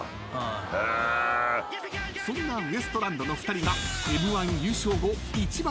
［そんなウエストランドの２人が］